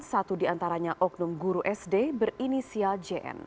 satu diantaranya oknum guru sd berinisial jn